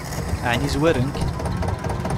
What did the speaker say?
Ɛni zwaren-k?